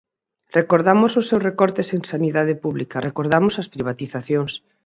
Recordamos os seus recortes en sanidade pública, recordamos as privatizacións.